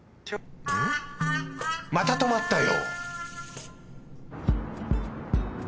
また止まったよ！